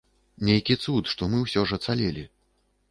Нейкі цуд, што мы ўсё ж ацалелі.